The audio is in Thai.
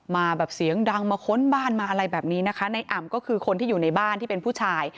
มาแบบเสียงดังมาค้นบ้านมาอะไรแบบนี้นะคะในอ่ำก็คือคนที่อยู่ในบ้านที่เป็นผู้ชาย